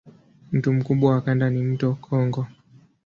Mto mkubwa wa kanda ni mto Kongo.